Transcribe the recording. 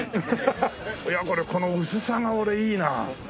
これこの薄さが俺いいなあ。